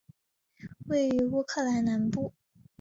位于乌克兰南部。